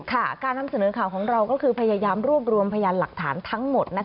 การนำเสนอข่าวของเราก็คือพยายามรวบรวมพยานหลักฐานทั้งหมด